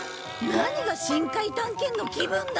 何が深海探検の気分だ！